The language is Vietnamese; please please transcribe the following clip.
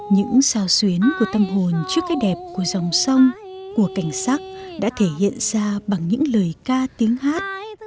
những sao xuyến của tâm hồn trước cái đẹp của dòng sông của cảnh sắc đã thể hiện ra bằng những lời ca tiếng hát